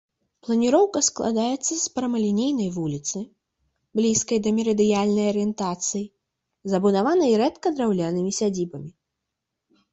Планіроўка складаецца з прамалінейнай вуліцы, блізкай да мерыдыянальнай арыентацыі, забудаванай рэдка драўлянымі сядзібамі.